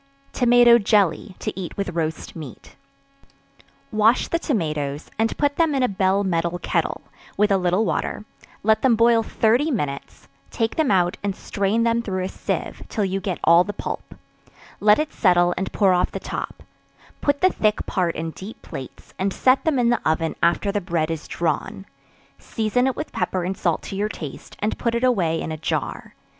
Tomato Jelly, to eat with Roast Meat. Wash the tomatoes, and put them in a bell metal kettle, with a little water; let them boil thirty minutes; take them out and strain them through a sieve, till you get all the pulp; let it settle and pour off the top; put the thick part in deep plates, and set them in the oven after the bread is drawn; season it with pepper and salt to your taste, and put it away in a jar.